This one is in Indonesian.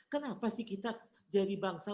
kenapa sih kita jadi bangsa